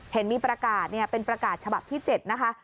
เห็นมีประกาศเป็นประกาศฉบับที่๗นะคะ